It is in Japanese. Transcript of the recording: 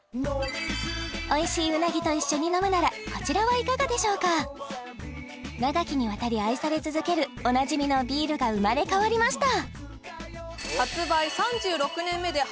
おいしいウナギと一緒に飲むならこちらはいかがでしょうか長きにわたり愛され続けるおなじみのビールが生まれ変わりました